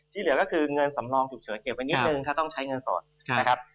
เหลือก็คือเงินสำรองฉุกเฉินเก็บไว้นิดนึงถ้าต้องใช้เงินสดนะครับ